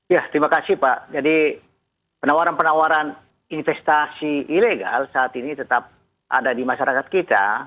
ya terima kasih pak jadi penawaran penawaran investasi ilegal saat ini tetap ada di masyarakat kita